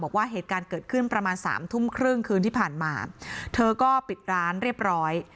บอกว่าเหตุการณ์เกิดขึ้นประมาณสามทุ่มครึ่งคืนที่ผ่านมาเธอก็ปิดร้านเรียบร้อย